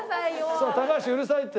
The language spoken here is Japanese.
そう高橋うるさいって。